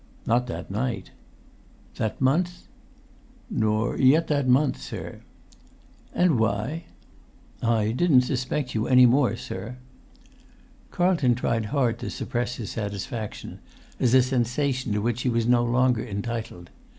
"Not that night." "That month?" "Nor yet that month, sir." [Pg 163]"And why?" "I didn't suspect you any more, sir." Carlton tried hard to suppress his satisfaction, as a sensation to which he was no longer entitled.